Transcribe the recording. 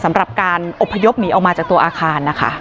สำหรับการอบพยพหนีออกมาจากตัวอาคารนะคะ